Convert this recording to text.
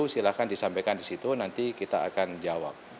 silahkan disampaikan di situ nanti kita akan jawab